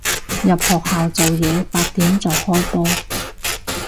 入學校做嘢，八點就開波